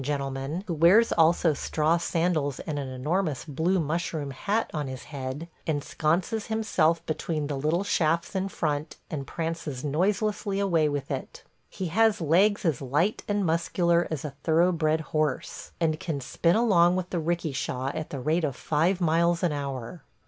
gentlemen, who wears also straw sandals and an enormous blue mushroom hat on his head, ensconces himself between the little shafts in front and prances noiselessly away with it. He has legs as light and muscular as a thoroughbred horse, and can spin along with the 'rikisha at the rate of five miles an hour.